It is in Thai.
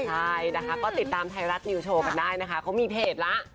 ใช่นะคะก็ติดตามไทยรัฐนิวโชว์กันได้นะคะเขามีเพจละ